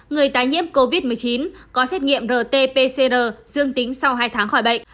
người tái nhiễm covid một mươi chín có xét nghiệm rt pcr dương tính sau hai tháng khỏi bệnh